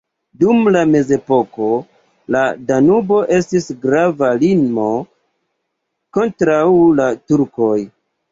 Dum la mezepoko la Danubo estis grava limo kontraŭ la turkoj.